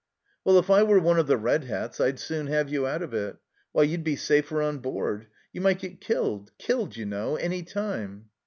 " Well, if I were one of the red hats, I'd soon have you out of it ! Why, you'd be safer on board. You might get killed killed, you know, any time."